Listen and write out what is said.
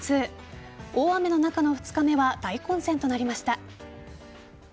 大雨の中の２日目は大混戦となりました。